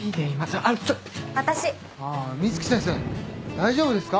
大丈夫ですか？